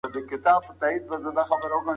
تر هغه چې عملي شي.